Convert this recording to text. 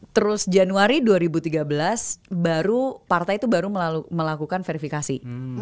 terus januari dua ribu tiga belas baru partai itu baru melakukan verifikasi